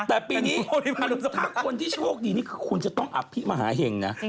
แต่ปีนี้ถ้าคนที่โชคดีนี่คือคุณจะต้องอภิมหาเห็งนะ